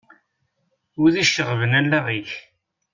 Wid iceɣben allaɣ-ik.